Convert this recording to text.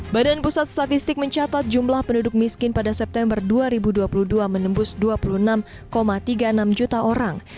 badan pusat statistik mencatat jumlah penduduk miskin pada september dua ribu dua puluh dua menembus dua puluh enam tiga puluh enam juta orang